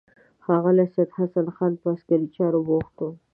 ښاغلی سید حسن خان په عسکري چارو بوخت و.